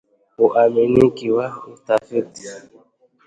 Uaminiki wa utafiti